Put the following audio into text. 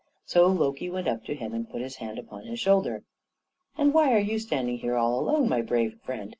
So Loki went up to him and put his hand upon his shoulder. "And why are you standing here all alone, my brave friend?"